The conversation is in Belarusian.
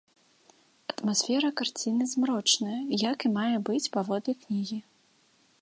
Атмасфера карціны змрочная, як і мае быць паводле кнігі.